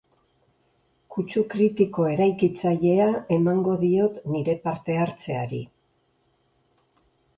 Kutsu kritiko eraikitzailea emango diot nire parte-hartzeari.